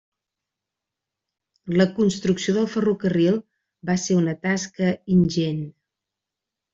La construcció del ferrocarril va ser una tasca ingent.